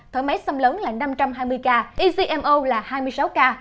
thở máy xâm lớn là năm trăm hai mươi ca ecmo là hai mươi sáu ca